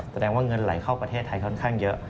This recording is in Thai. แสดงว่าเงินไหลเข้าประเทศไทยค่อนข้างเยอะ